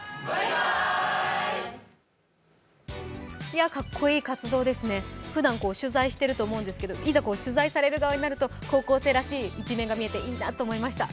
いや、かっこいい活動ですねふだん取材してると思うんですけど、いざ取材される側になると高校生らしい一面が見えていいなあと思いました。